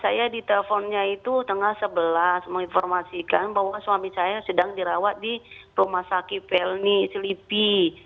saya diteleponnya itu tengah sebelas menginformasikan bahwa suami saya sedang dirawat di rumah sakit pelni selipi